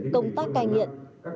công tác cai nghiện